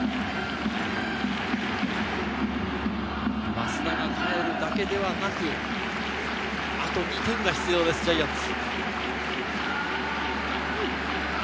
増田がかえるだけではなく、あと２点が必要です、ジャイアンツ。